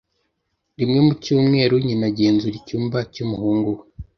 Rimwe mu cyumweru, nyina agenzura icyumba cy'umuhungu we.